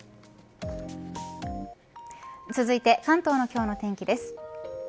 続いて関東の今日の天気です。